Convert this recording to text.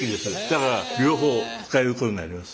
だから両方使えることになります。